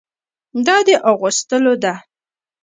دا د اغوستلو ده.